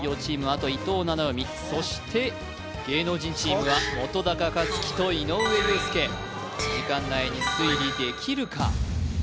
あと伊藤七海そして芸能人チームは本克樹と井上裕介時間内に推理できるか？